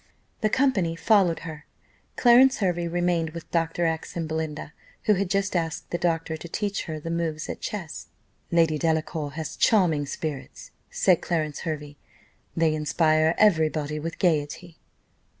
The company followed her Clarence Hervey remained with Dr. X and Belinda, who had just asked the doctor, to teach her the moves at chess. "Lady Delacour has charming spirits," said Clarence Hervey; "they inspire every body with gaiety."